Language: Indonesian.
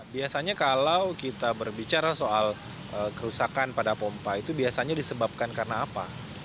biasanya kalau kita berbicara soal kerusakan pada pompa itu biasanya disebabkan karena apa